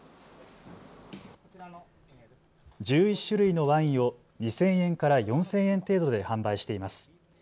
１１種類のワインを２０００円から４０００円程度で販売しています。